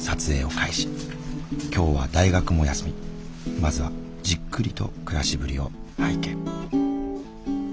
まずはじっくりと暮らしぶりを拝見。